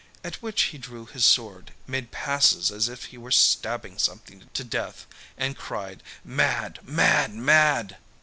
At which he drew his sword, made passes as if he were stabbing something to death, and cried, 'Mad! Mad! Mad!'